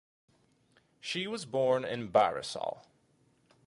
She was born in Barisal.